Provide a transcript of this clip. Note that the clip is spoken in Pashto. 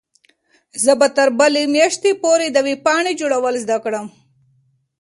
زه به تر بلې میاشتې پورې د ویبپاڼې جوړول زده کړم.